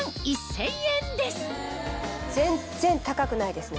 全然高くないですね。